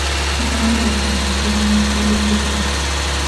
Baali batambulira ku luguudo.